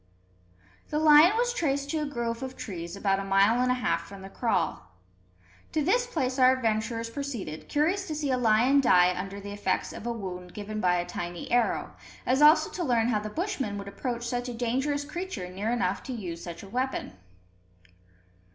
The lion was traced to a grove of trees, about a mile and a half from the kraal. To this place our adventurers proceeded, curious to see a lion die under the effects of a wound given by a tiny arrow, as also to learn how the Bushmen would approach such a dangerous creature near enough to use such a weapon.